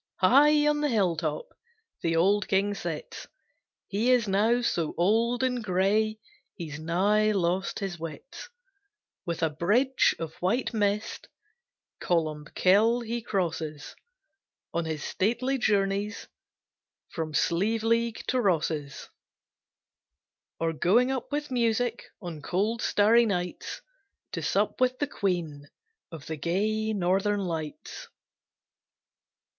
High on the hill top The old King sits; He is now so old and gray He's nigh lost his wits. With a bridge of white mist Columbkill he crosses, On his stately journeys From Slieveleague to Rosses; Or going up with music On cold starry nights, To sup with the Queen Of the gay Northern Lights.